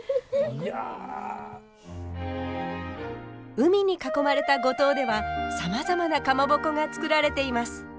海に囲まれた五島ではさまざまなかまぼこが作られています。